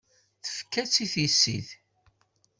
Tefka-tt i tissit.